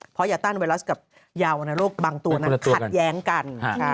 เพราะยาต้านไวรัสยาวัณโลกบางตัวขาดแย้งกัน